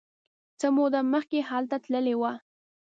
څه موده مخکې هلته تللی و.